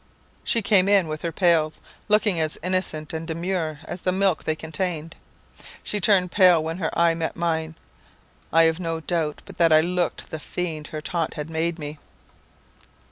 "She came in with her pails, looking as innocent and demure as the milk they contained. She turned pale when her eye met mine. I have no doubt but that I Iooked the fiend her taunt had made me.